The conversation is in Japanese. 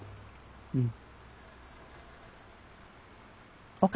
うん。